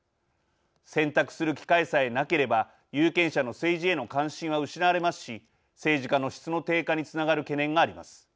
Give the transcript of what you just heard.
選択する機会さえなければ有権者の政治への関心は失われますし政治家の質の低下につながる懸念があります。